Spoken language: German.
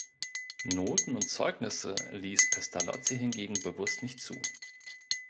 Noten und Zeugnisse liess Pestalozzi hingegen bewusst nicht zu.